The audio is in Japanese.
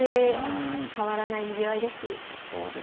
変わらないにぎわいです。